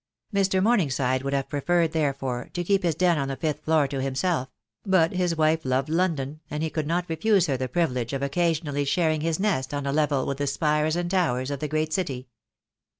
Mr. Morningside would have preferred, therefore, to keep his den on the fifth floor to himself; but his wife loved London, and he could not refuse her the privilege of occasionally sharing his nest on a level with the spires and towers of the great city.